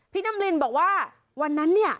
น้ำลินบอกว่าวันนั้นเนี่ย